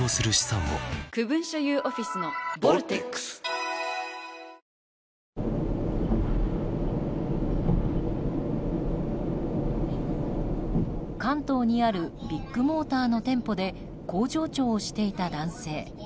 ひろうって偉大だな関東にあるビッグモーターの店舗で工場長をしていた男性。